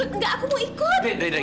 enggak aku mau ikut